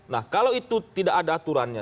nah kalau itu tidak ada aturannya